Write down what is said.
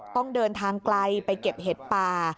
ต้องเดินทางไกลไปเก็บเห็ดป่า